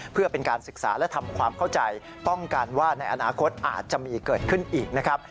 เพื่อเป็นการศึกษาและทำความเข้าใจป้องกันว่าในอนาคตอาจจะมีเกิดขึ้นอีกนะครับ